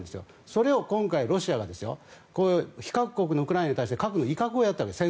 それを今回ロシアが非核国のウクライナに対して威嚇をしたわけです